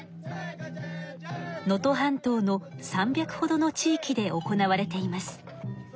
能登半島の３００ほどの地域で行われています。